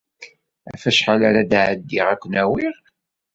Ɣef wacḥal ara d-ɛeddiɣ ad ken-awiɣ?